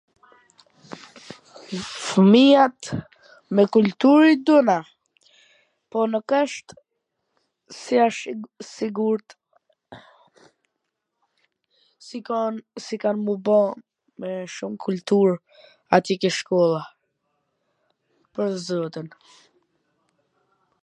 Fmijat me kultur i dona? Po nuk asht se asht i sigurt, si kan m u ba me shum kultur aty ke shkolla, pwr zotin.